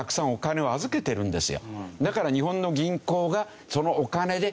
だから。